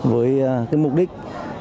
với mục đích